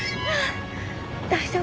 大丈夫。